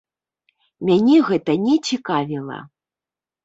Мяне гэта не цікавіла.